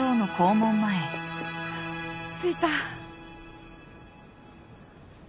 着いた。